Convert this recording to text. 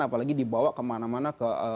apalagi dibawa kemana mana ke